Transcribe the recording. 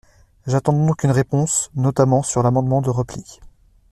J’attends donc une réponse, notamment sur l’amendement de repli.